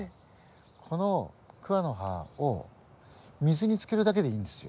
このクワの刃を水につけるだけでいいんですよ。